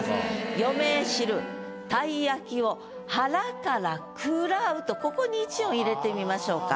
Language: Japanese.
「余命知るたい焼きを腹から食らう」とここに１音入れてみましょうか。